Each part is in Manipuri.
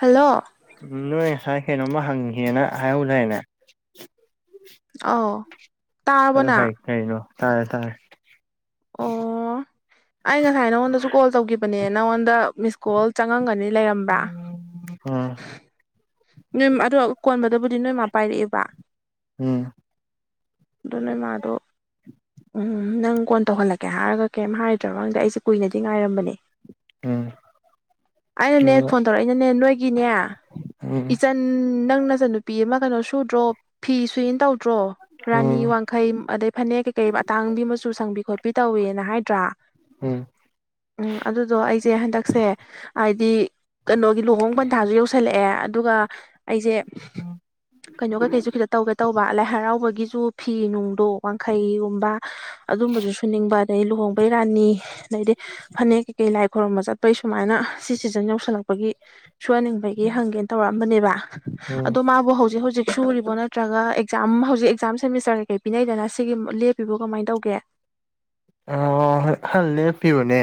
ꯍꯜꯂꯣ ꯎꯝ ꯅꯣꯏ ꯉꯁꯥꯏ ꯀꯩꯅꯣꯝꯃ ꯍꯪꯒꯦꯅ ꯍꯥꯏꯍꯧꯗꯥꯏꯅꯦ ꯑꯧ ꯑꯗꯨ ꯇꯥꯔꯕꯣꯅ ꯐꯩ ꯀꯩꯅꯣ ꯇꯥꯔꯦ ꯇꯥꯔꯦ ꯑꯣ ꯑꯩ ꯉꯁꯥꯏ ꯅꯉꯣꯟꯗꯁꯨ ꯀꯣꯜ ꯇꯧꯈꯤꯕꯅꯦ ꯅꯪꯉꯣꯟꯗ ꯃꯤꯁ ꯀꯣꯜ ꯆꯪꯉꯝꯒꯅꯤ ꯂꯩꯔꯝꯕ꯭ꯔꯥ ꯑꯥ ꯅꯣꯏ ꯑꯗꯣ ꯀꯣꯟꯕꯗꯕꯨꯗꯤ ꯅꯣꯏ ꯃꯥ ꯄꯥꯏꯔꯛꯑꯦꯕ ꯎꯝ ꯑꯗꯣ ꯅꯣꯏ ꯃꯥ ꯗꯣ ꯎꯝ ꯅꯪ ꯀꯣꯟ ꯇꯧꯍꯜꯂꯛꯀꯦ ꯍꯥꯏꯔꯒ ꯀꯩꯝ ꯍꯥꯏꯗ꯭ꯔ ꯈꯪꯗꯦ ꯑꯩꯁꯦ ꯀꯨꯏꯅꯗꯤ ꯉꯥꯏꯔꯝꯕꯅꯦ ꯑꯩꯅꯅꯦ ꯎꯝ ꯐꯣꯟ ꯇꯧꯔꯛꯏꯅꯅꯦ ꯅꯣꯏꯒꯤꯅꯦ ꯎꯝ ꯏꯆꯟ ꯅꯪ ꯃꯆꯟ ꯅꯨꯨꯄꯤ ꯑꯃ ꯀꯩꯅꯣ ꯁꯨꯗ꯭ꯔꯣ ꯐꯤ ꯁꯨꯏꯅ ꯇꯧꯗ꯭ꯔꯣ ꯔꯥꯅꯤ ꯋꯥꯡꯈꯩ ꯑꯗꯩ ꯐꯅꯦꯛ ꯀꯩꯀꯩ ꯑꯇꯥꯡꯕꯤ ꯃꯆꯨ ꯁꯪꯕꯤ ꯈꯣꯠꯄꯤ ꯇꯧꯋꯦꯅ ꯍꯥꯏꯗ꯭ꯔꯥ ꯎꯝ ꯎꯝ ꯑꯗꯨꯗꯣ ꯑꯩꯁꯦ ꯍꯟꯗꯛꯁꯦ ꯍꯥꯏꯗꯤ ꯀꯩꯅꯣꯒꯤ ꯂꯨꯍꯣꯡ ꯄꯟꯊꯥꯁꯨ ꯌꯧꯁꯤꯜꯂꯛꯑꯦ ꯑꯗꯨꯒ ꯑꯩꯁꯦ ꯀꯩꯅꯣ ꯀꯩꯀꯩꯁꯨ ꯈꯤꯇ ꯇꯧꯒꯦ ꯇꯧꯕ ꯂꯥꯏ ꯍꯔꯥꯎꯕꯒꯤꯁꯨ ꯐꯤ ꯅꯨꯡ ꯣꯛ ꯋꯥꯡꯈꯩꯒꯨꯝꯕ ꯑꯗꯨꯝꯕꯁꯨ ꯁꯨꯅꯤꯡꯕ ꯑꯗꯩ ꯂꯨꯍꯣꯡꯕꯩ ꯔꯥꯅꯤ ꯑꯗꯩꯗꯤ ꯐꯅꯦꯛ ꯀꯩꯀꯩ ꯂꯥꯏ ꯈꯣꯏꯔꯨꯝꯝꯕ ꯆꯠꯄꯩ ꯁꯨꯃꯥꯏꯅ ꯁꯤꯖꯟ ꯌꯧꯁꯜꯂꯛꯄ ꯒꯤ ꯁꯍꯅꯤꯡꯕꯒꯤ ꯍꯪꯒꯦꯅ ꯇꯧꯔꯛꯑꯝꯕꯅꯦꯕ ꯎꯝ ꯑꯗꯣꯕꯨ ꯍꯧꯖꯤꯛ ꯍꯧꯖꯤꯛ ꯁꯨꯔꯤꯕꯣ ꯅꯠꯇ꯭ꯔꯒ ꯑꯦꯛꯖꯥꯝ ꯍꯧꯖꯤꯛ ꯑꯦꯛꯖꯥꯝ ꯁꯦꯃꯤꯁꯇꯔ ꯀꯩ ꯀꯩ ꯄꯤꯅꯩꯗꯅ ꯁꯤꯒꯤ ꯂꯦꯞꯄꯤꯕꯣ ꯀꯃꯥꯏꯅ ꯇꯧꯒꯦ ꯑ ꯑꯣ ꯍ ꯂꯦꯞꯄꯤꯕꯅꯦ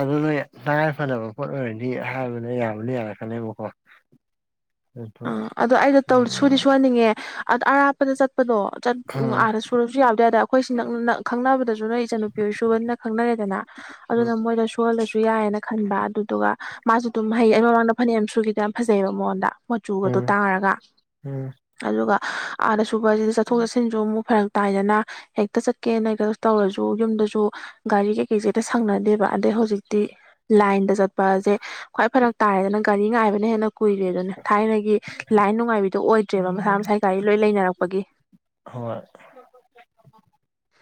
ꯑꯗꯨꯅ ꯇꯉꯥꯏꯐꯗꯕ ꯄꯣꯠ ꯑꯣꯏꯔꯗꯤ ꯍꯥꯏꯕꯅꯦ ꯌꯥꯕꯅꯦ ꯌꯥ ꯈ ꯃꯈꯀ ꯑꯝ ꯑꯗꯣ ꯑꯩꯗ ꯁꯨꯗꯤ ꯁꯨꯍꯟꯅꯤꯡꯉꯦ ꯑꯗ ꯑꯔꯥꯞꯄꯗ ꯆ ꯆꯠꯄꯗꯣ ꯆꯠ ꯎ ꯎꯝ ꯑꯥꯗ ꯁꯨꯔꯁꯨ ꯌꯥꯕꯗꯋꯥꯏꯗ ꯑꯩꯈꯣꯏꯁꯤ ꯈꯪꯅꯕꯗ ꯑꯗꯨ ꯅꯣꯏ ꯏꯆꯟꯟꯅꯨꯄꯤ ꯑꯣꯏ ꯁꯨꯕꯅ ꯈꯪꯅꯔꯦꯗꯅ ꯑꯗꯨꯅ ꯃꯣꯏꯗ ꯁꯣꯍꯜꯂꯁꯨ ꯁꯨ ꯌꯥꯏꯌꯦꯅ ꯈꯟꯕ ꯑꯗꯨꯗꯨꯒ ꯃꯥꯁꯨ ꯑꯗꯨꯝ ꯍꯩ ꯑꯩ ꯃꯃꯥꯡꯗ ꯐꯅꯦꯛ ꯌꯥꯝ ꯁꯨꯈꯤꯗꯣ ꯌꯥꯝ ꯐꯖꯩꯑꯕ ꯃꯉꯣꯟꯗ ꯃꯆꯨꯒꯗꯣ ꯎꯝ ꯇꯥꯔꯒ ꯎꯝ ꯑꯗꯨꯒ ꯑꯥꯗ ꯁꯨꯕꯁꯤꯗ ꯆꯠꯊꯣꯛ ꯆꯠꯁꯤꯟꯁꯨ ꯑꯃꯨꯛ ꯐꯔꯛ ꯇꯥꯏꯗꯅ ꯍꯦꯛꯇ ꯆꯠꯀꯦꯅ ꯇꯧꯔꯁꯨ ꯌꯨꯝꯗꯁꯨ ꯒꯥꯔꯤ ꯀꯩꯀꯩꯁꯦꯛꯇ ꯁꯪꯅꯗꯦꯕ ꯑꯗꯩ ꯍꯧꯖꯤꯛꯇꯤ ꯂꯥꯏꯟꯗ ꯆꯠꯄꯁꯦ ꯈ꯭ꯋꯥꯏ ꯐꯔꯛ ꯇꯥꯔꯦꯗꯅ ꯒꯥꯔꯤ ꯉꯥꯏꯕꯅ ꯍꯦꯟꯅ ꯀꯨꯏꯔꯦ ꯑꯗꯨꯅ ꯊꯥꯏꯅꯒꯤ ꯂꯥꯏꯟ ꯅꯨꯡꯉꯥꯏꯕꯤꯗꯣ ꯑꯣꯏꯗ꯭ꯔꯦꯕ ꯃꯁꯥ ꯃꯁꯥꯒꯤ ꯒꯥꯔꯤ ꯂꯣꯏ ꯂꯩꯅꯔꯛꯄꯒꯤ ꯍꯣꯏꯣꯏ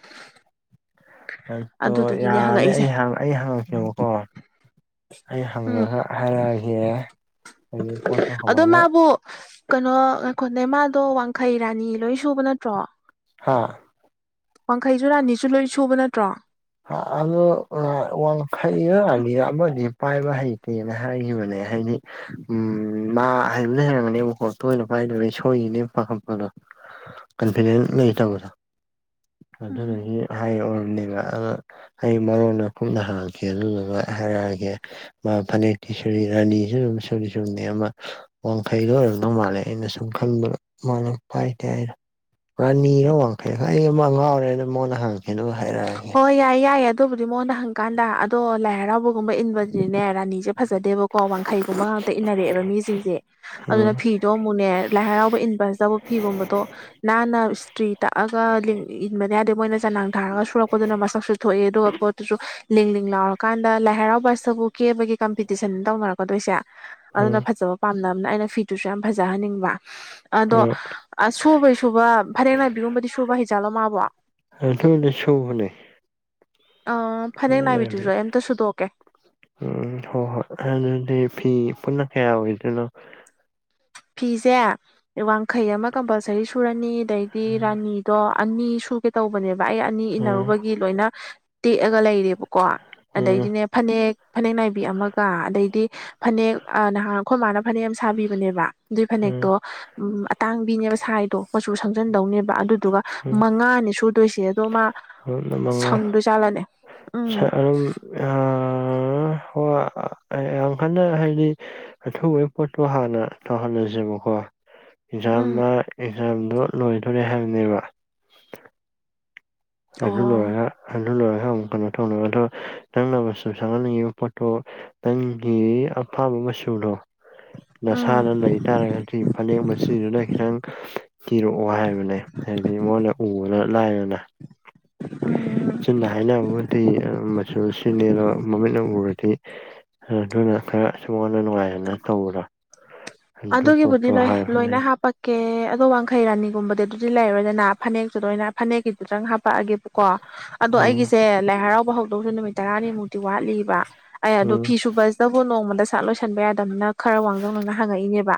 ꯑꯗꯣ ꯑꯗꯨꯗꯨꯒꯤꯅꯦ ꯌꯥꯔꯅꯤꯦ ꯍꯪꯉꯛꯏꯁꯦ ꯑꯩ ꯑꯩ ꯍꯥꯡꯉꯛꯀꯦꯕꯀꯣ ꯑꯩ ꯎꯝ ꯍꯪꯉꯒ ꯍꯥꯏꯔꯛꯑꯒꯦ ꯍꯥꯏꯗꯤ ꯄꯣꯠꯇꯣ ꯑꯗꯣ ꯀꯃꯥꯏꯅ ꯃꯥꯕꯨ ꯀꯩꯅꯣ ꯉꯈ ꯅꯃꯥꯗꯣ ꯋꯥꯡꯈꯩ ꯔꯥꯅꯤ ꯂꯣꯏ ꯁꯨꯕ ꯅꯠꯇ꯭ꯔꯣ ꯍꯥ ꯋꯥꯡꯈꯩꯁꯨ ꯔꯥꯅꯤꯁꯨ ꯂꯣꯏ ꯁꯨꯕ ꯅꯠꯇ꯭ꯔꯣ ꯑ ꯋꯥꯡꯈꯩꯔꯜꯂꯤ ꯑꯃꯗꯤ ꯄꯥꯏꯕ ꯍꯩꯇꯦꯅ ꯍꯥꯏꯈꯤꯕꯅꯦ ꯀꯩ ꯍꯥꯏꯅꯤ ꯎ ꯃꯥ ꯍꯥꯏꯕ ꯂꯩꯔꯝꯒꯅꯦ ꯃꯈꯣꯛ ꯇꯣꯏꯅ ꯄꯥꯏꯗꯔ ꯁꯣꯏꯔꯤꯅꯦ ꯄꯥꯈꯠꯄꯗꯣ ꯀꯟꯐꯤꯗꯦꯟ ꯂꯩ ꯇꯧꯕꯗꯣ ꯎꯝ ꯑꯗꯨꯗꯒꯤ ꯍꯥꯏꯌꯦ ꯑꯣꯏꯔꯔꯕꯅꯤꯅ ꯑꯗꯨ ꯑꯩ ꯃꯔꯣꯟꯗ ꯀꯨꯞꯅ ꯍꯜꯂꯛꯀꯦ ꯑꯗꯨꯗꯨꯒ ꯍꯥꯏꯔꯛꯑꯒꯦ ꯃꯥ ꯐꯅꯛꯇꯤ ꯁꯔꯤ ꯔꯥꯅꯤꯁꯨ ꯑꯗꯨ ꯁꯔꯤ ꯁꯨꯝꯅꯤ ꯑꯃ ꯋꯥꯡꯈꯩꯗ ꯑꯣꯏꯔꯒ ꯃꯥꯜꯂꯦ ꯑꯩꯅ ꯁꯨꯝ ꯈꯟꯕꯗ ꯃꯥꯜꯂꯦ ꯐꯥꯏ ꯇꯥꯏꯔꯣ ꯔꯥꯅꯤꯔ ꯋꯥꯡꯈꯩ ꯑꯩ ꯑꯃ ꯑꯉꯥꯎꯔꯦꯅ ꯃꯉꯗ ꯍꯪꯀꯦꯅ ꯍꯥꯏꯔꯛꯑꯒꯦ ꯍꯣꯏ ꯌꯥꯏꯌꯦ ꯌꯥꯏ ꯑꯗꯨꯕꯨꯗꯤ ꯃꯉꯣꯟꯗ ꯍꯪꯀꯥꯟꯗ ꯑꯗꯣ ꯂꯥꯏ ꯍꯔꯥꯎꯕ ꯒꯨꯝꯕ ꯏꯟꯕꯗꯨꯗꯤꯅꯦ ꯔꯟꯅꯤꯡꯁꯦ ꯐꯖꯗꯦꯕꯀꯣ ꯋꯥꯡꯈꯩꯒꯨꯝꯕ ꯉꯥꯛꯇ ꯏꯟꯅꯔꯛꯑꯦꯕ ꯃꯤꯁꯤꯡꯁꯦ ꯎꯝ ꯑꯗꯨꯅ ꯐꯤ ꯐꯤꯗꯣ ꯑꯃꯨꯛꯅꯦ ꯂꯥꯏ ꯍꯔꯥꯎꯕ ꯏꯟꯕꯁꯇꯕꯨ ꯐꯤꯒꯨꯝꯕꯗꯣ ꯅꯥꯟꯅ ꯇ꯭ꯔꯤ ꯇꯛꯑꯒ ꯏꯟꯕ ꯌꯥꯗꯦ ꯃꯣꯏꯅ ꯆꯅꯥꯡ ꯊꯥꯔꯒ ꯁꯨꯔꯛꯄꯗꯨꯅ ꯃꯁꯛꯁꯨ ꯊꯣꯛꯑꯦ ꯑꯗꯨꯒꯗꯣ ꯑꯗꯨꯁꯨ ꯂꯤꯡ ꯂꯤꯡ ꯂꯥꯎꯔꯀꯥꯟꯗ ꯂꯥꯏ ꯍꯔꯥꯎꯕꯁꯇꯕꯨ ꯀꯦꯕꯒꯤ ꯀꯝꯄꯤꯇꯤꯁꯟ ꯇꯧꯅꯔꯛꯀꯗꯣꯏꯁꯦ ꯑꯗꯨꯅ ꯎꯝ ꯐꯖꯕ ꯄꯥꯝꯅꯕꯅ ꯑꯩꯅ ꯐꯤꯗꯨꯁꯨ ꯌꯥꯝ ꯐꯖꯍꯟꯅꯤꯡꯕ ꯑꯗꯣ ꯎꯝ ꯁꯨꯕꯩ ꯁꯨꯕ ꯐꯅꯦꯛ ꯅꯥꯏꯕꯤꯒꯨꯝꯕꯗꯤ ꯁꯨꯕ ꯍꯩꯖꯥꯜꯂꯣ ꯃꯥꯕꯣ ꯑꯇꯣꯗꯤ ꯁꯧ ꯃꯅꯨꯡꯦ ꯑ ꯐꯅꯦꯛ ꯅꯥꯏꯕꯤꯗꯨꯁꯨ ꯂꯩꯕꯒꯤ ꯑꯝꯇ ꯁꯨꯗꯣꯛꯀꯦ ꯎꯝ ꯍꯣ ꯍꯣꯏ ꯑꯗꯨꯗꯤ ꯐꯤ ꯄꯨꯟꯅ ꯀꯌꯥ ꯑꯣꯏꯗꯨꯅꯣ ꯐꯤꯁꯦ ꯋꯥꯡꯈꯩ ꯑꯃ ꯀꯝꯄꯜꯁꯔꯤ ꯁꯨꯔꯅꯤ ꯑꯗꯩꯗꯤ ꯎꯝ ꯔꯥꯅꯤꯗꯣ ꯑꯅꯤ ꯁꯨꯒꯦ ꯇꯧꯕꯅꯦꯕ ꯑꯩ ꯑꯅꯤ ꯎꯝ ꯏꯟꯅꯔꯨꯕꯒꯤ ꯂꯣꯏꯅ ꯇꯦꯛꯑꯒ ꯂꯩꯔꯦꯕꯀꯣ ꯑꯗꯩꯗꯤꯅꯦ ꯐꯅꯦꯛ ꯐꯅꯦꯛ ꯅꯥꯏꯕꯤ ꯑꯃꯒ ꯑꯗꯩꯗꯤ ꯐꯅꯦꯛ ꯅꯍꯥꯟ ꯑꯩꯈꯣꯏ ꯃꯥꯅ ꯐꯅꯦꯛ ꯑꯃ ꯁꯥꯕꯤꯕꯅꯦꯕ ꯑꯗꯨꯏ ꯎꯝ ꯐꯅꯦꯛꯇꯣ ꯎ ꯑꯇꯥꯡꯕꯤꯅꯦꯕ ꯁꯥꯏꯗꯣ ꯃꯆꯨ ꯁꯪꯖꯟꯗꯧꯅꯦꯕ ꯑꯗꯨ ꯑꯗꯨꯒ ꯎꯝ ꯃꯉꯥꯅꯤ ꯁꯨꯗꯣꯏꯁꯦ ꯑꯗꯣ ꯃꯥ ꯃꯔꯨꯞꯅ ꯃꯉꯥ ꯁꯪꯗꯖꯥꯠꯂꯅꯦ ꯎꯝ ꯑ ꯍꯣ ꯌꯥꯝ ꯀꯟꯅ ꯍꯥꯏꯗꯤ ꯑꯊꯨꯕꯩ ꯄꯣꯠꯇꯣ ꯍꯥꯟꯅ ꯇꯧꯍꯜꯂꯁꯦꯕꯀꯣ ꯑꯦꯛꯖꯥꯝ ꯎꯝ ꯑꯦꯛꯖꯥꯝꯗꯣ ꯂꯣꯏꯗꯣꯔꯦ ꯍꯥꯏꯕꯅꯦꯕ ꯑꯗꯨ ꯑꯣ ꯂꯣꯢꯔꯥꯒꯥ [inaudible] ꯅꯪꯅ ꯁꯅꯉꯤꯕ ꯄꯣꯇꯣ ꯅꯪꯒꯤ ꯑꯄꯥꯥꯝꯕ ꯃꯆꯨꯗꯣ ꯎꯝ ꯅꯁꯥꯅ ꯂꯩꯇꯥꯥꯔꯒꯗꯤ ꯐꯅꯦꯛ ꯃꯁꯤꯗꯨꯅ ꯈꯤꯇꯪ ꯊꯤꯔꯛꯑꯣ ꯍꯥꯏꯕꯅꯦ ꯑꯗꯤ ꯃꯉꯣꯟꯅ ꯎꯕꯅ ꯂꯥꯏꯔꯦꯅ ꯎꯝ ꯆꯨꯝꯅ ꯍꯥꯏꯅ ꯑ ꯃꯆꯨ ꯁꯤꯅꯦ ꯃꯃꯤꯠꯅ ꯎꯔꯗꯤ ꯑꯗꯨꯅ ꯈꯔ ꯁꯨꯝ ꯑꯩꯉꯣꯟꯗ ꯅꯨꯡꯉꯥꯏꯅ ꯇꯧꯕꯗꯣ ꯑꯗꯨ ꯑꯗꯨꯒꯤꯕꯨꯗꯤ ꯄꯣꯠꯇꯣ ꯂꯣꯏ ꯂꯣꯏꯅ ꯍꯥꯏꯕꯅꯦ ꯍꯥꯞꯄꯛꯀꯦ ꯑꯗꯣ ꯋꯥꯡꯈꯩ ꯔꯥꯅꯤꯒꯨꯝꯕꯗꯤ ꯑꯗꯨꯗꯤ ꯂꯩꯂꯔꯣꯏꯗꯅ ꯐꯅꯦꯛꯁꯨ ꯂꯣꯏꯅ ꯐꯅꯦꯛꯀꯤꯗꯨꯗꯪ ꯍꯥꯞꯄꯛꯑꯒꯦꯕꯀꯣ ꯑꯗꯣ ꯎꯝ ꯑꯩꯒꯤꯁꯦ ꯂꯥꯏ ꯍꯔꯥꯎꯕ ꯍꯧ ꯇꯔꯥꯅꯤꯃꯨꯛꯇꯤ ꯋꯥꯠꯂꯤꯕ ꯑꯦ ꯑꯗꯣ ꯐꯤ ꯎꯝ ꯁꯨꯕꯁꯤꯕꯨ ꯅꯃ ꯆꯥꯛ ꯂꯣꯏꯁꯟꯕ ꯌꯥꯗꯕꯅ ꯈꯔ ꯃꯥꯡꯖꯧꯅꯅ ꯍꯪꯉꯛꯏꯅꯦꯕ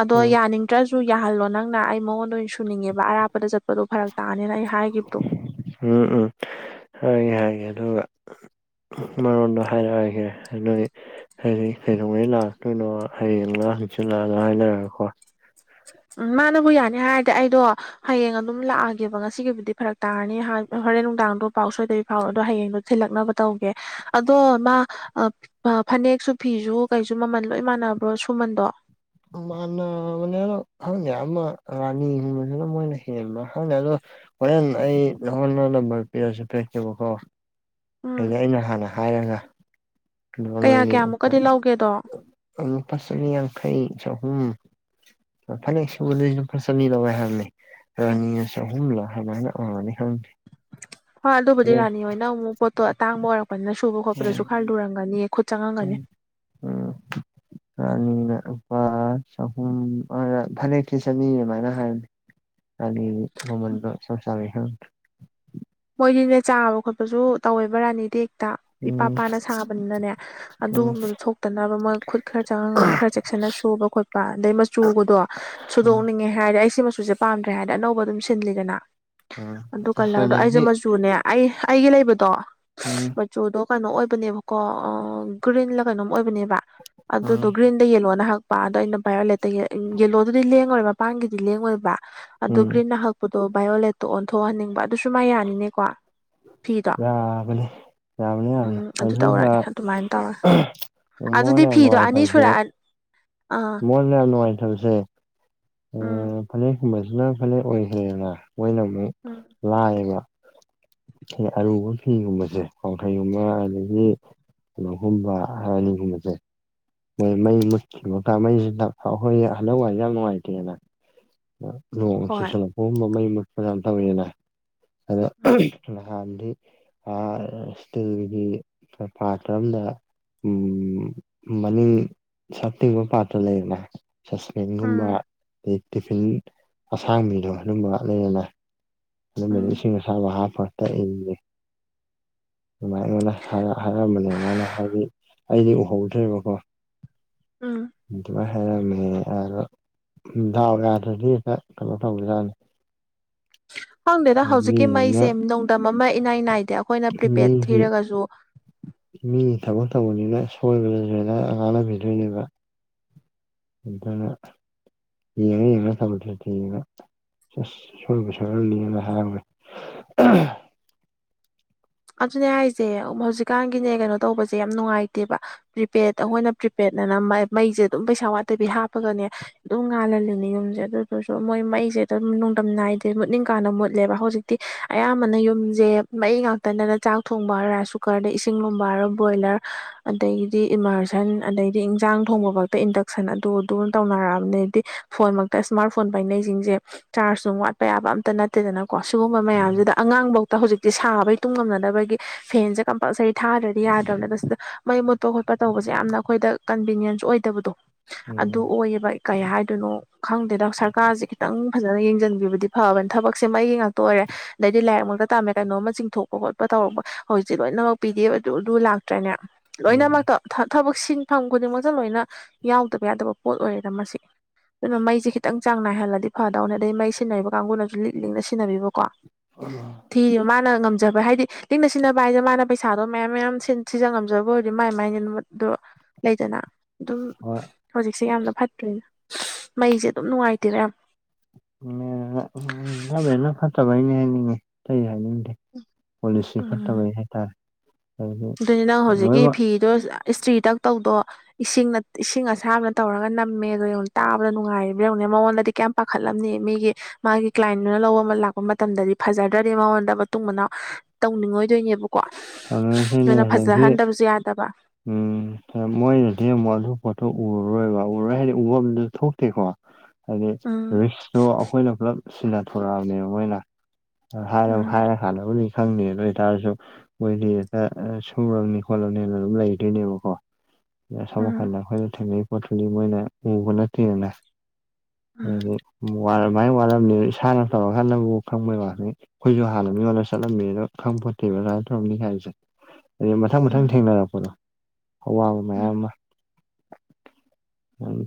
ꯑꯗꯣ ꯎꯝ ꯌꯥꯅꯤꯡꯗ꯭ꯔꯁꯨ ꯌꯥꯍꯜꯂꯣ ꯅꯪꯅ ꯑꯩ ꯃꯉꯣꯟꯗ ꯆꯨꯅꯤꯡꯉꯦꯕ ꯑꯔꯥꯞꯄꯗ ꯆꯠꯄꯗꯣ ꯐꯔꯛ ꯇꯥꯅꯤꯅ ꯑꯩ ꯍꯥꯏꯈꯤꯕꯗꯣ ꯎꯝ ꯎꯝ ꯍꯥꯏꯒꯦ ꯍꯥꯏꯒꯦ ꯑꯗꯨꯒ ꯃꯔꯣꯟꯗꯣ ꯍꯥꯏꯔꯛꯑꯒꯦ ꯑꯗꯨꯒꯤ ꯍꯌꯦꯡ ꯀꯩꯗꯧꯉꯩ ꯂꯥꯛꯇꯣꯏꯅꯣ ꯍꯌꯦꯡꯅ ꯍꯪꯆꯤꯜꯂꯛꯑꯅ ꯍꯥꯏꯅꯔꯒꯀꯣ ꯎꯝ ꯃꯥꯅꯕꯨ ꯌꯥꯅꯤ ꯍꯥꯏꯔꯗꯤ ꯑꯩꯗꯣ ꯍꯌꯦꯡ ꯑꯗꯨꯝ ꯂꯥꯛꯑꯒꯦꯕ ꯉꯁꯤꯒꯤꯕꯨꯗꯤ ꯐꯔꯛ ꯇꯥꯔꯅꯤ ꯍꯨꯔꯦꯟ ꯅꯨꯡꯗꯥꯡꯗꯣ ꯄꯥꯎ ꯁꯣꯏꯗꯕꯤ ꯐꯥꯎꯣ ꯑꯗꯣ ꯍꯌꯦꯡꯗꯣ ꯊꯤꯜꯂꯛꯅꯕ ꯇꯧꯒꯦ ꯑꯗꯣ ꯃꯥ ꯐꯅꯦꯛꯁꯨ ꯐꯤꯁꯨ ꯀꯩꯁꯨ ꯃꯃꯜ ꯂꯣꯏ ꯃꯥꯟꯅꯕ꯭ꯔꯣ ꯁꯨꯃꯟꯗꯣ ꯃꯥꯟꯅꯕꯅꯦ ꯑꯗ ꯈꯪꯗꯦ ꯑꯃ ꯔꯥꯅꯤꯒꯨꯝꯕꯁꯤꯅ ꯃꯣꯏꯅ ꯍꯦꯟꯕ ꯍꯪꯗꯦ ꯑꯗꯣ ꯍꯣꯔꯦꯟ ꯑꯩ ꯅꯪꯉꯣꯡꯗ ꯅꯝꯕꯔ ꯄꯤꯔꯁꯨ ꯄꯤꯂꯛꯒꯦꯕꯀꯣ ꯎꯝ ꯑꯗꯤ ꯑꯩꯅ ꯍꯥꯟꯅ ꯍꯥꯏꯔꯒ ꯀꯌꯥ ꯀꯌꯥꯃꯨꯛꯀꯗꯤ ꯂꯧꯒꯦꯗꯣ ꯅꯁꯈꯩ ꯆ [inaudible] ꯎꯝ ꯐꯅꯦꯛ ꯁꯨꯕꯗ ꯂꯨꯄꯥ ꯆꯅꯤ ꯂꯧꯋꯦ ꯍꯥꯏꯕꯅꯦ ꯔꯥꯅꯤꯅ ꯆꯍꯨꯝꯂ ꯑꯗꯨꯃꯥꯏꯅ ꯑꯣꯏꯅꯤ ꯈꯪꯗꯦ ꯍꯣꯏ ꯑꯗꯨꯕꯨꯗꯤ ꯐꯅꯦꯛ ꯔꯥꯅꯤ ꯍꯣꯏꯅ ꯑꯃꯨꯛ ꯄꯣꯠꯇꯣ ꯑꯇꯥꯡꯕ ꯑꯣꯏꯔꯛꯄꯅꯤꯅ ꯁꯨꯕ ꯈꯣꯠꯄꯗꯁꯨ ꯈꯔ ꯂꯨꯔꯝꯒꯅꯤ ꯈꯨꯠ ꯆꯪꯉꯝꯒꯅꯤ ꯎꯝ ꯔꯅꯤꯅꯥ ꯂꯨꯄꯥ ꯆꯍꯨꯝ ꯐꯅꯦꯛꯁꯤ ꯆꯅꯤ ꯑꯗꯨꯃꯥꯏꯅ ꯍꯥꯏꯕꯅꯦ ꯑꯅꯤ ꯃꯃꯥꯜꯗꯣ ꯆꯥꯞ ꯆꯕꯤ ꯑꯩꯈꯣꯏꯒꯤꯅ ꯆꯥꯕ ꯈꯣꯠꯄꯁꯨ ꯇꯧꯋꯦꯕ ꯔꯥꯅꯤꯗꯤ ꯏꯄꯥ ꯎꯝ ꯄꯥꯅ ꯁꯥꯕꯅꯤꯅꯅꯦ ꯎꯝ ꯎꯝ ꯑꯗꯨꯒꯨꯝꯕꯗꯣ ꯊꯣꯛꯇꯅꯕ ꯃꯣꯏ ꯈꯨꯠ ꯈꯔ ꯆꯪꯉꯝꯒꯅꯤ ꯈꯔ ꯆ ꯐꯖꯅ ꯁꯨꯕ ꯈꯣꯠꯄ ꯑꯗꯩ ꯃꯆꯨꯒꯗꯣ ꯁꯨꯗꯣꯛꯅꯤꯡꯉꯦ ꯍꯥꯏꯔꯗꯤ ꯑꯩꯁ ꯃꯆ ꯁꯤ ꯄꯥꯝꯗ꯭ꯔꯦ ꯍꯥꯏꯅ ꯑꯅꯧꯕ ꯑꯗꯨꯝ ꯁꯤꯟꯂꯤꯒꯅ ꯑ [inaudible] ꯑꯗꯣ ꯑꯩꯁꯦ ꯃꯆꯨꯅꯦ ꯑꯩ ꯑꯩꯒꯤ ꯂꯩꯕꯗꯣ ꯎꯝ ꯃꯆꯨꯗꯣ ꯀꯩꯅꯣ ꯑꯣꯏꯕꯅꯦꯕꯀꯣ ꯒ꯭ꯔꯤꯟꯂ ꯀꯩꯅꯣꯝ ꯑꯣꯏꯕꯅꯦꯕ ꯎꯝ ꯑꯗꯨꯗꯣ ꯒ꯭ꯔꯤꯟꯗ ꯌꯦꯜꯂꯣ ꯅꯍꯥꯛ ꯑꯗꯣ ꯑꯩꯅ ꯚꯥꯏꯌꯣꯂꯦꯠꯇ ꯌꯦꯂꯣꯗꯨꯗꯤ ꯂꯦꯡꯉꯣꯏꯕ ꯃꯄꯥꯡꯒꯤꯗꯤ ꯂꯦꯡꯉꯣꯏꯕ ꯑꯗꯨꯗꯣ ꯎꯝ ꯒ꯭ꯔꯤꯟꯟꯅ ꯍꯛꯄ ꯑꯗꯣ ꯕꯥꯏꯑꯣꯂꯦꯠꯇꯣ ꯑꯣꯟꯊꯣꯛꯍꯟꯅꯤꯡꯕ ꯑꯗꯨꯁꯨ ꯃꯥ ꯌꯥꯅꯤꯅꯦꯀꯣ ꯐꯤꯗꯣ ꯌꯥꯕꯅꯤ ꯌꯥꯕꯅꯤ ꯎꯝ ꯑꯗꯨ ꯑꯗꯨꯒ ꯇꯧꯔꯒꯦ ꯑꯗꯨꯃꯥꯏꯅ ꯇꯧꯔꯦ ꯑꯗꯨꯗꯤ ꯃꯣꯢꯅ ꯌꯥꯝ ꯐꯤꯗꯣ ꯑꯅꯤ ꯅꯨꯡꯉꯥꯏꯇꯕꯁꯦ ꯁꯨꯔꯛꯑꯅꯤ ꯑꯥ ꯃꯣꯏꯅ ꯌꯥꯝ ꯅꯨꯡꯉꯥꯏꯇꯕꯁꯦ ꯎꯝ ꯐꯅꯦꯛ ꯒꯨꯝꯕꯁꯤꯅ ꯐꯅꯦꯛ ꯑꯣꯏꯈꯔꯦꯅ ꯃꯣꯏꯅ ꯑꯃꯨꯛ ꯎꯝ ꯂꯥꯏꯌꯦꯕ ꯑꯔꯨꯕ ꯐꯤꯒꯨꯝꯕꯁꯦ ꯋꯥꯡꯈꯩꯒꯨꯝꯕ ꯑꯗꯒꯤ ꯀꯩꯅꯣꯒꯨꯝꯕ ꯔꯅꯤꯒꯨꯝꯕꯁꯦ ꯃꯣꯏ ꯃꯩ ꯃꯨꯠꯈꯤꯕ ꯃ ꯃꯩꯁꯤ ꯑꯩꯈꯣꯏ ꯍꯥꯟꯗꯥꯛ ꯋꯥꯏꯁꯦ ꯌꯥꯝ ꯅꯨꯡꯉꯥꯏꯇꯦꯅ ꯅꯣꯡ ꯍꯣꯏ ꯆꯨꯁꯜꯂꯛꯄꯒꯨꯝꯕ ꯃꯩ ꯃꯨꯠꯕ ꯌꯥꯝ ꯇꯧꯋꯤꯅ ꯑꯗ ꯎꯝ ꯅꯍꯥꯟ ꯏꯁꯇꯤꯜꯒꯤ ꯄꯥꯠꯇ꯭ꯔ ꯑꯃꯗ ꯎꯝ ꯃꯅꯤꯡ ꯁꯛ ꯇꯤꯡꯕ ꯄꯥꯠꯇ꯭ꯔ ꯂꯩꯕꯔ ꯁꯁꯄꯦꯟꯒꯨꯝꯕ ꯎꯝ ꯑꯗꯩ ꯇꯤꯐꯤꯟ ꯑꯁꯥꯡꯕꯤꯗꯣ ꯑꯗꯨꯝꯕ ꯂꯩꯔꯅ ꯎꯝ ꯃꯁꯤꯡ ꯃꯁꯥ ꯋꯥ ꯐꯔꯇ ꯑꯗꯨꯃꯥꯏꯅꯅ ꯍꯥꯏꯔꯝꯕꯅꯦ ꯃꯥꯃꯥꯏꯅ ꯍꯥꯏꯕꯗꯤ ꯑꯩꯗꯤ ꯎꯍꯧꯗ꯭ꯔꯦꯕꯀꯣ ꯎꯝ ꯑꯗꯨꯃꯥꯏ ꯍꯥꯏꯔꯝꯃꯦ ꯑꯣ ꯊꯎꯒꯗꯗꯤꯦ ꯀꯩꯅꯣ ꯇꯧ ꯌꯥꯥꯅꯤ ꯈꯪꯗꯦꯗ ꯍꯧꯖꯤꯛꯀꯤ ꯃꯩꯁꯦ ꯅꯣꯡꯗꯝ ꯑꯃ ꯏꯅꯥꯏ ꯅꯥꯏꯗ ꯑ ꯑꯩꯈꯣꯏꯅ ꯄ꯭ꯔꯤꯄꯦꯗ ꯃꯤꯒꯤ ꯊꯤꯔꯒꯁꯨ ꯇꯥꯃꯜ ꯇꯧꯕꯅꯤꯅ ꯁꯣꯏꯕ ꯂꯥꯟꯅꯕꯤꯗꯣꯏꯅꯦꯕ ꯏꯅ ꯌꯦꯉ ꯌꯦꯉ ꯁꯇꯦ ꯌꯦꯉ ꯆ ꯁꯁꯅꯤ ꯍꯥꯏ ꯑꯗꯨꯅꯦ ꯍꯥꯏꯁꯦ ꯍꯧꯖꯤꯛꯀꯥꯟꯒꯤꯅꯦ ꯀꯩꯅꯣ ꯇꯧꯕꯁꯦ ꯌꯥꯝ ꯅꯨꯡꯉꯥꯏꯇꯦꯕ ꯄ꯭ꯔꯤꯄꯦꯗ ꯑꯩꯈꯣꯏꯅ ꯄ꯭ꯔꯤꯄꯦꯗ ꯑꯗꯨꯅ ꯃꯩꯁꯦ ꯑꯗꯨꯝ ꯄꯩꯁꯥ ꯋꯥꯠꯇꯕꯤ ꯍꯥꯞꯄꯒꯅꯦ ꯑꯗꯨꯝ ꯉꯥꯜꯍꯜꯂꯤꯅꯦ ꯌꯨꯝꯁꯦ ꯑꯗꯨꯗꯨꯁꯨ ꯃꯣꯏ ꯃꯩ ꯁꯦ ꯑꯗꯨꯝ ꯅꯨꯡꯗꯝ ꯅꯥꯏꯗꯦ ꯃꯨꯠꯅꯤꯡ ꯀꯥꯏꯅ ꯃꯨꯠꯂꯦꯕ ꯍꯧꯖꯤꯛꯇꯤ ꯑꯌꯥꯝꯕꯅ ꯌꯨꯝꯁꯦ ꯃꯩ ꯉꯥꯛ ꯇꯗꯅ ꯆꯥꯛ ꯊꯣꯡꯕ ꯍꯥꯏꯔꯣ ꯔꯥꯏꯁ ꯀꯨꯀꯔꯗ ꯏꯁꯤꯡ ꯂꯨꯝꯕ ꯍꯥꯏꯔꯣ ꯕꯣꯏꯂꯔ ꯑꯗꯒꯤꯗꯤ ꯏꯃꯥꯔꯁꯟ ꯑꯗꯤ ꯏꯟꯖꯥꯡ ꯊꯣꯡꯕ ꯐꯛꯇ ꯏꯟꯗꯛꯁꯟ ꯑꯗꯨ ꯑꯗꯨ ꯇꯧꯅꯔꯛꯑꯕꯅꯦꯗꯤ ꯐꯣꯟ ꯃꯛꯇ ꯏꯁꯃꯥꯔꯠ ꯐꯣꯟ ꯄꯥꯏꯅꯩꯁꯤꯡ ꯆꯥꯔꯠꯄ ꯌꯥꯕ ꯑꯇ ꯅꯠꯇꯦꯗꯅꯀꯣ ꯁꯤꯒꯨꯝꯕ ꯃꯌꯥꯝꯁꯤꯗ ꯑꯉꯥꯡꯕꯧ ꯍꯧꯖꯤꯛꯇꯤ ꯁꯥꯕ ꯇꯨꯡ ꯉꯝꯅꯗꯅꯕꯒꯤ ꯐꯦꯟꯁꯦ ꯀꯝꯄꯜꯁꯔꯤ ꯊꯥꯗ꯭ꯔꯗꯤ ꯌꯥꯗ꯭ꯔꯕꯅꯤꯅ ꯁꯤꯗ ꯃꯩ ꯃꯨꯠꯄ ꯈꯣꯠꯄ ꯇꯧꯕꯁꯦ ꯌꯥꯝꯅ ꯑꯩꯈꯣꯏ ꯗ ꯀꯟꯚꯤꯅꯤꯌꯦꯟꯁ ꯑꯣꯏꯗꯕꯗꯣ ꯑꯗꯨ ꯎꯝ ꯑꯣꯏꯌꯦꯕ ꯀꯩ ꯍꯥꯏꯗꯣꯏꯅꯣ ꯈꯪꯗꯦꯗ ꯁꯔꯀꯥꯔꯁꯦ ꯈꯤꯇꯪ ꯐꯖꯅ ꯌꯦꯡꯁꯤꯟꯕꯤꯕꯗꯤ ꯐꯕꯅꯤꯅ ꯊꯕꯛꯁꯦ ꯃ ꯑꯩꯒꯤ ꯉꯥꯛꯇ ꯑꯣꯏꯔꯦ ꯑꯗꯩꯗꯤ ꯂꯥꯏꯔꯤꯛ ꯃꯛꯇ ꯇꯥꯃꯦ ꯀꯩꯅꯣ ꯑꯃ ꯆꯤꯡꯊꯣꯛ ꯈꯣꯠꯄ ꯇꯔꯄ ꯍꯧꯖꯤꯛꯤ ꯂꯣꯏꯅꯃꯛ ꯄꯤꯗꯦꯕ ꯑꯗꯨ ꯑꯗꯨ ꯂꯥꯛꯇ꯭ꯔꯦꯅꯦ ꯎꯝ ꯂꯣꯏꯅꯃꯛꯇ ꯊꯕꯛꯁꯤꯡ ꯐꯝ ꯈꯨꯗꯤꯡꯃꯛꯇ ꯂꯣꯏꯅ ꯌꯥꯎꯗꯕ ꯌꯥꯗꯕ ꯄꯣꯠ ꯑꯣꯏꯔꯦꯗ ꯃꯁꯤ ꯑꯗꯨꯅ ꯃꯩꯁꯦ ꯈꯤꯇꯪ ꯆꯥꯡ ꯅꯥꯏꯍꯜꯂꯗꯤ ꯐꯗꯧꯅꯦ ꯑꯗꯩ ꯃꯩ ꯁꯤꯖꯤꯟꯅꯔꯤꯕ ꯀꯥꯡꯒꯕꯨꯅꯁꯨ ꯂꯤꯛ ꯂꯤꯛꯅ ꯁꯤꯟꯅꯕꯤꯕꯀꯣ ꯑꯣ ꯃꯥꯅ ꯉꯝ ꯖꯕ ꯍꯥꯏꯗꯤ ꯂꯤꯡꯅ ꯁꯤꯟꯅꯕ ꯍꯥꯏꯁꯦ ꯃꯥꯅ ꯄꯩꯁꯥꯗꯣ ꯃꯌꯥꯝ ꯃꯌꯥꯝ ꯁꯤꯖ ꯉꯝꯖꯕ ꯑꯣꯏꯔꯗꯤ ꯃꯥꯏ ꯃꯥꯏꯅꯦ ꯅꯨꯗ ꯂꯩꯗꯅ ꯑꯗꯨꯝ ꯍꯣꯏ ꯍꯧꯖꯤꯛꯁꯦ ꯌꯥꯝꯅ ꯐꯠꯇ꯭ꯔꯦꯅꯦ ꯃꯩꯁꯦ ꯑꯗꯨꯝ ꯅꯨꯡꯉꯥꯏꯇꯦꯔ ꯌꯥꯝ ꯎꯝ ꯒꯃꯦꯟꯅ ꯐꯠꯇꯕꯩꯅꯤ ꯍꯥꯏꯅꯤꯡꯉꯤ ꯀꯩ ꯍꯥꯏꯅꯤꯡꯗꯦ ꯄꯣꯂꯤꯁꯤ ꯎꯝ ꯐꯠꯇꯕꯩ ꯍꯥꯏꯇꯥꯔꯦ ꯍꯥꯏꯗꯤ ꯑꯗꯨꯅꯤ ꯅꯪ ꯍꯧꯖꯤꯛꯀꯤ ꯂꯣꯏꯅꯃꯛ ꯐꯤꯗꯣ ꯏꯁꯇ꯭ꯔꯤ ꯇꯛ ꯇꯧꯗꯣ ꯏꯁꯤꯡꯅ ꯏꯁꯤꯡ ꯑꯁꯥꯕꯅ ꯇꯧꯔꯒ ꯅꯝꯃꯦ ꯑꯗꯣꯉ ꯇꯥꯕꯗ ꯅꯨꯡꯉꯥꯏꯔꯤꯕ꯭ꯔꯥ ꯃꯉꯣꯟꯗꯗꯤ ꯀꯌꯥꯝ ꯄꯥꯈꯠꯂꯝꯅꯤ ꯃꯤꯒꯤ ꯃꯥꯒꯤ ꯀ꯭ꯂꯥꯏꯟꯗꯨꯅ ꯂꯧꯕ ꯑꯃ ꯂꯥꯛꯄ ꯃꯇꯝꯗꯗꯤ ꯐꯖꯗ꯭ꯔꯗꯤ ꯃꯉꯣꯟꯗ ꯃꯇꯨꯡ ꯃꯅꯥꯎ ꯇꯧꯅꯤꯡꯉꯣꯏꯗꯣꯏꯅꯦꯕꯀꯣ ꯅꯣꯏꯅ ꯇꯧꯅꯔꯤꯁꯤꯅꯤ ꯑꯗꯒꯤ ꯐꯖꯍꯟꯗꯕꯁꯨ ꯌꯥꯗꯕ ꯎꯝ ꯃꯣꯏꯅꯗꯤ ꯑꯃꯨꯛ ꯑꯗꯨ ꯄꯣꯠꯇꯣ ꯎꯔꯔꯣꯏꯕ ꯎꯔꯣꯏ ꯍꯥꯏꯗꯤ ꯎꯕꯗꯨ ꯊꯣꯛꯇꯦꯀꯣ ꯍꯥꯏꯗꯤ ꯎꯝ ꯔꯤꯛꯁꯇꯣ ꯑꯩꯈꯣꯏꯅ ꯄꯨꯂꯞ ꯁꯤꯟꯅꯊꯣꯔꯛꯑꯕꯅꯦꯕ ꯃꯣꯏꯅ ꯍꯥꯏꯥꯏꯔ ꯎꯝ ꯍꯥꯏꯥꯏꯔꯦ ꯈꯥꯏ ꯈꯪꯅꯤ ꯑꯗꯨ ꯑꯣꯏꯇꯥꯔꯁꯨ ꯃꯣꯏꯗꯤ ꯍꯦꯛꯇ ꯁꯅꯤ ꯈꯣꯠꯂꯕꯅꯤ ꯂꯩꯗꯣꯏꯅꯦꯕꯀꯣ ꯑ ꯎꯝ ꯁꯝꯀꯟꯗ ꯑꯩꯈꯣꯏꯅ ꯊꯦꯡꯅꯩ ꯄꯇꯂꯤ ꯃꯥꯏꯅ ꯎꯕꯣꯔꯅ ꯊꯔꯅꯥ ꯎꯝ ꯋꯥꯔꯃꯥꯏꯅ ꯋꯥꯠꯂꯝꯃꯤ ꯏꯁꯥꯅ ꯇꯧꯔꯀꯥꯟꯗꯕꯨ ꯈꯪꯕꯩ ꯋꯥꯠꯅꯤ ꯑꯩꯈꯣꯏꯁꯨ ꯍꯥꯟꯅ ꯃꯤꯉꯣꯟꯗ ꯆꯠꯂꯝꯃꯤꯅ ꯣꯠꯇꯦꯕ ꯂꯥꯏ ꯇꯧꯔꯝꯅꯤ ꯍꯥꯏꯕꯁꯦ ꯑ ꯃꯊꯪ ꯃꯊꯪ ꯎꯝ ꯊꯦꯡꯅꯔ ꯑꯋꯥꯕ ꯎꯝ ꯃꯌꯥꯝ ꯑꯃ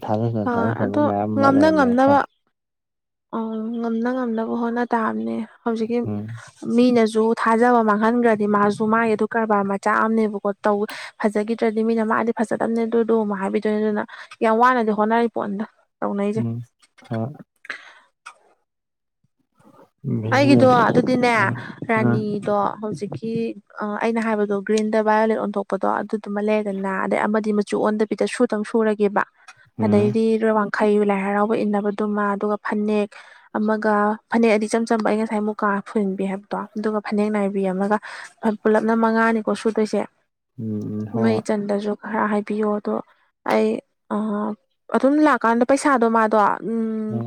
ꯊꯥꯖꯗ ꯑ ꯊꯥꯖꯗꯕ ꯑꯗꯣ ꯃꯌꯥꯝ ꯑꯃ ꯉꯝꯅ ꯂꯩꯔꯝꯃꯦ ꯉꯝꯅꯕ ꯍꯥꯏꯇꯥꯔꯦ ꯑꯣ ꯉꯝꯅ ꯉꯝꯅꯕ ꯍꯣꯠꯅ ꯇꯥꯕꯅꯦ ꯍꯧꯖꯤꯛꯀꯤ ꯎꯝ ꯃꯤꯅꯁꯨ ꯁꯨ ꯊꯥꯖꯕ ꯃꯥꯡꯍꯟꯈ꯭ꯔꯗꯤ ꯃꯥꯁꯨ ꯃꯥꯒꯤ ꯑꯗꯨ ꯀꯔꯕꯥꯔ ꯃꯆꯥ ꯑꯃꯝꯅꯦꯕꯀꯣꯧ ꯐꯖꯈꯤꯗ꯭ꯔꯗꯤ ꯃꯤꯅ ꯃꯥ ꯃꯥꯗꯤ ꯐꯖꯗꯕꯅꯦ ꯑꯗꯨꯗ ꯑꯃꯨꯛ ꯍꯥꯏꯕꯤꯗꯣꯏꯅꯦ ꯑꯗꯨꯅ ꯌꯥꯝ ꯋꯥꯅꯗꯤ ꯍꯣꯠꯅꯔꯤ ꯄꯣꯠ ꯑꯗ ꯎꯝ ꯍ ꯑꯩꯒꯤꯗꯣ ꯕꯤꯖꯤꯅꯦꯁ ꯑꯗꯨꯗꯤꯅꯦ ꯑ ꯑ ꯔꯥꯅꯤꯗꯣ ꯍꯧꯖꯤꯛ ꯑ ꯑꯩꯅ ꯍꯥꯏꯕꯗꯣ ꯒ꯭ꯔꯤꯟꯗ ꯚꯥꯏꯌꯣꯂꯦꯠ ꯑꯣꯟꯊꯣꯛꯄꯗꯣ ꯑꯗꯨꯗꯨꯃ ꯂꯩꯔꯗꯅ ꯑꯗꯩ ꯑꯃꯗꯤ ꯃꯆꯨ ꯑꯣꯟꯗ ꯗ ꯁꯨꯗ ꯁꯨꯔꯒꯦꯕ ꯎꯝ ꯑꯗꯩꯗꯤ ꯔ ꯈꯩ ꯂꯥꯏ ꯍꯔꯥꯎꯕ ꯏꯟꯅꯕꯗꯨꯃ ꯑꯗꯨꯒ ꯐꯅꯦꯛ ꯑꯃꯒ ꯐꯅꯦꯛ ꯑꯗꯤ ꯆꯝ ꯆꯝꯕ ꯑꯩ ꯉꯁꯥꯏ ꯃꯨꯛꯀꯥ ꯐꯨꯍꯟꯕꯤ ꯍꯥꯏꯕꯗꯣ ꯑꯗꯨꯒ ꯐꯅꯦꯛ ꯅꯥꯏꯕꯤꯝ ꯑꯃꯒ ꯄꯨꯜꯂꯞꯅ ꯃꯉꯥꯅꯤꯀꯣ ꯁꯨꯗꯣꯏꯁꯦ ꯅꯣꯏ ꯍꯣꯏ ꯏꯆꯟꯗꯁꯨ ꯈꯔ ꯍꯥꯏꯕꯤꯌꯣ ꯑꯗꯣ ꯑꯩ ꯑꯗꯨꯝ ꯂꯥꯛꯀꯥꯟꯗ ꯄꯩꯁꯥꯗꯣ ꯃꯥꯗꯣ ꯎꯝ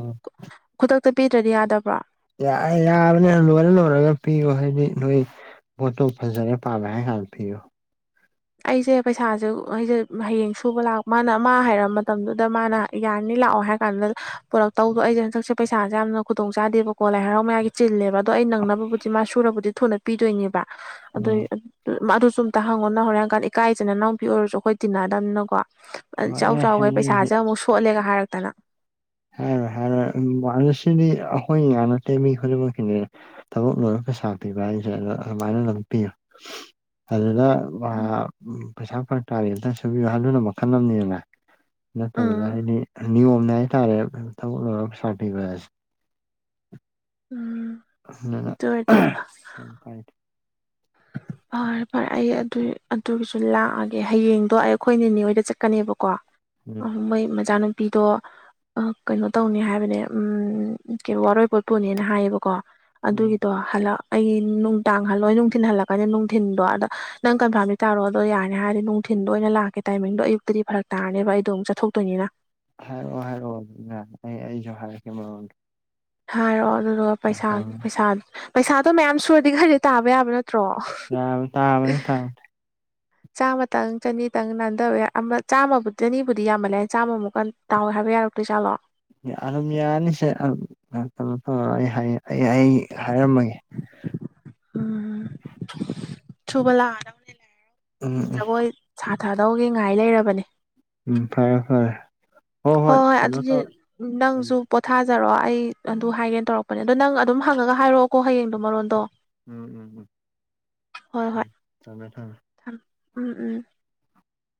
ꯈꯨꯗꯛꯇ ꯄꯤꯗ꯭ꯔꯗꯤ ꯌꯥꯗꯕ꯭ꯔꯥ ꯌꯥ ꯌꯥꯕꯅꯦ ꯂꯅ ꯂꯣꯏꯔꯒ ꯄꯤꯌꯣ ꯍꯥꯏꯗꯤ ꯅꯣꯏ ꯄꯣꯠꯇꯣ ꯐꯖꯔꯦ ꯄꯥꯝꯃꯦ ꯍꯥꯏ ꯉꯥꯛꯄꯤꯌꯨ ꯑꯩꯁꯦ ꯄꯩꯁꯥꯁꯦ ꯑꯩꯁꯦ ꯍꯌꯦꯡ ꯁꯨꯕ ꯂꯥꯛꯄ ꯃꯥꯅ ꯑꯃ ꯍꯥꯏꯔ ꯃꯇꯝꯗꯨꯗ ꯃꯥꯅ ꯌꯥꯅꯤ ꯂꯥꯛꯑꯣ ꯍꯥꯏ ꯀꯥꯟꯗ ꯄꯨꯂꯛ ꯇꯧꯗꯣ ꯑꯩꯁꯦ ꯍꯟꯁꯛꯁꯦ ꯄꯩꯁꯥꯁꯦ ꯌꯥꯝꯅ ꯈꯨꯗꯣꯡꯆꯥꯥꯗꯦꯕꯀꯣ ꯂꯥꯏ ꯍꯔꯥꯎ ꯃꯌꯥꯒꯤ ꯆꯤꯜꯂꯦꯕ ꯑꯣ ꯑꯩ ꯅꯪꯅꯕꯕꯨꯗꯤ ꯃꯥ ꯁꯨꯔꯕꯨꯗꯤ ꯊꯨꯅ ꯄꯤꯗꯣꯏꯅꯦꯕ ꯑꯗꯨ ꯎꯝ ꯑꯗꯨꯁꯨ ꯑꯝꯇ ꯍꯪꯉꯣꯅ ꯍ ꯏꯪꯀ ꯏꯀ ꯏꯆꯤꯟ ꯏꯅꯥꯎꯄꯤ ꯑꯣꯏꯔꯁꯨ ꯑꯩꯈꯣꯏ ꯇꯤꯟꯅꯗꯕꯅꯤꯀꯣ ꯍꯣꯏ ꯆꯥꯎ ꯑꯦ ꯆꯥꯎꯈꯦ ꯍꯥꯏꯕꯗꯤ ꯄꯩꯁꯥꯁꯦ ꯑꯃꯨꯛ ꯁꯣꯠꯂꯦꯒ ꯍꯥꯏꯔꯛꯇꯅ ꯍꯥ ꯁꯤꯗꯤ ꯑꯩꯈꯣꯏ ꯏ ꯉꯥ ꯅꯠꯇꯦ ꯃꯤ ꯈꯨꯗꯤꯡꯃꯛꯀꯤꯁꯦ ꯊꯕꯛ ꯂꯣꯏꯔ ꯄꯩꯁꯥ ꯄꯤꯕ ꯍꯥꯏꯔꯤꯁꯦ ꯃꯥꯏꯅ ꯂꯇ ꯑꯗꯨꯗ ꯎꯝ ꯄꯩꯁꯥ ꯐꯔꯛ ꯇꯥꯔꯤꯦ ꯑꯝꯇ ꯁꯨꯕꯤꯨꯍꯜꯂꯨꯅ ꯃꯈꯜ ꯑꯃꯅꯤꯅꯦꯗꯅ ꯅꯠꯇꯕꯗ ꯎꯝ ꯍꯥꯏꯗꯤ ꯅꯤꯌꯣꯝꯅꯦ ꯍꯥꯏꯇꯥꯔꯦ ꯁꯥꯔꯇꯤꯐꯦ ꯎꯝ ꯀꯥꯏ [unintelligible] ꯐꯔꯦ ꯐꯔꯦ ꯑꯩ ꯑꯗꯨ ꯑꯗꯨꯒꯤꯁꯨ ꯂꯥꯛꯑꯒꯦ ꯍꯌꯦꯡꯗꯣ ꯑꯩ ꯑꯩꯈꯣꯏ ꯅꯦꯅꯦ ꯍꯣꯏꯗ ꯆꯠꯀꯅꯦꯕꯀꯣ ꯑ ꯎꯝ ꯃꯣꯏ ꯃꯆꯥꯥꯟ ꯅꯨꯄꯤꯗꯣ ꯀꯩꯅꯣ ꯇꯧꯅꯤ ꯍꯥꯏꯕꯅꯦ ꯋꯥꯔꯣꯏꯄꯣꯠ ꯄꯨꯨꯅꯦꯅ ꯍꯥꯏꯌꯦꯕꯀꯣ ꯎꯝ ꯑꯗꯨꯒꯤꯗꯣ ꯍꯜꯂꯑꯣ ꯑꯩ ꯅꯨꯡꯗꯥꯡ ꯍꯜꯂꯣꯏ ꯊꯤꯟ ꯍꯜꯂꯛꯀꯅꯤꯅ ꯅꯨꯡꯊꯤꯟꯗꯣ ꯑꯗ ꯅꯪ ꯀꯟꯐꯥꯝꯗꯤ ꯇꯥꯔꯣ ꯑꯗꯣ ꯌꯥꯔ ꯍꯥꯏꯗꯤ ꯅꯨꯡꯊꯤꯟꯗ ꯑꯣꯏꯅ ꯂꯥꯛꯀꯦ ꯇꯥꯏꯃꯤꯡꯗꯣ ꯑꯌꯨꯛꯇꯤ ꯗꯤ ꯐꯔꯛ ꯇꯥꯔꯅꯦꯕ ꯑꯩꯗꯣ ꯑꯃꯨꯛ ꯆꯠꯊꯣꯛꯇꯣꯏꯅꯤꯅ ꯍꯥꯏꯔꯛꯑꯣ ꯍꯥꯏꯔꯛꯑꯣ ꯑꯩ ꯑꯩꯁꯨ ꯍꯥꯏꯔꯛꯦ ꯃꯔꯣ ꯍꯥꯏꯔꯛꯑꯣ ꯑꯗꯨꯗꯨꯒ ꯄꯩꯁꯥ ꯄꯩꯁꯥ ꯄꯩꯁꯥꯗꯣ ꯃꯌꯥꯝ ꯁꯨꯔꯗꯤ ꯈꯔꯗꯤ ꯇꯥꯕ ꯌꯥꯕ ꯅꯠꯇ꯭ꯔꯣ ꯌꯥꯕ ꯇꯥꯕꯅꯤ ꯠꯇ꯭ꯔꯣ ꯇꯥꯕꯅꯤ ꯆꯥꯝꯃꯇꯪ ꯆꯅꯤꯇꯪ ꯅꯥꯟꯊꯕ ꯌꯥꯏ ꯑꯃ ꯆꯥꯝꯃ ꯆꯅꯤꯕꯨꯗꯤ ꯌꯥꯝꯃꯜꯂꯦ ꯆꯥꯝꯃꯨꯛꯀ ꯇꯏꯦ ꯍꯥꯏꯕ ꯔꯎ ꯇꯣꯏ ꯆꯥꯂꯣ ꯑꯗꯨꯝ ꯌꯥꯅꯤꯁꯦ ꯀꯩꯅꯣ ꯇꯧꯔ ꯑꯩ ꯑꯩ ꯍꯥꯏꯔꯝꯃꯒꯦ [unintelligible] ꯎꯝ ꯆꯨꯝꯕꯂ ꯑꯔꯅꯦ ꯂ ꯎꯝ ꯎꯝ ꯊꯥꯗꯧꯒꯦ ꯉꯥꯏ ꯂꯩꯔꯕꯅꯦ ꯎꯝ ꯐꯔꯦ ꯐꯔꯦ ꯍꯣꯏ ꯍꯣꯏ ꯑꯗꯨꯗꯤ ꯎꯝ ꯅꯪꯁꯨ ꯄꯣꯊꯥꯖꯔꯣ ꯑꯩ ꯑꯗꯨ ꯍꯥꯏꯒꯦꯅ ꯇꯧꯔꯛꯄ ꯅꯦ ꯑꯗꯣ ꯅꯪ ꯑꯗꯨꯝ ꯍꯪꯉꯒ ꯍꯥꯏꯔꯛꯑꯣꯀꯣ ꯍꯌꯦꯡꯗꯣ ꯃꯔꯣꯟꯗꯣ ꯎꯝ ꯎꯝ ꯍꯣꯏ ꯍꯣꯏ ꯎꯝ ꯇꯃꯦꯦ ꯊꯝ ꯊꯝꯃꯦ ꯎꯝ ꯎꯝ